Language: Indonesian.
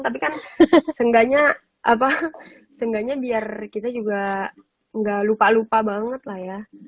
tapi kan seenggaknya seenggaknya biar kita juga nggak lupa lupa banget lah ya